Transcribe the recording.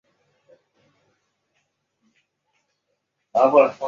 史恭之妹生汉宣帝。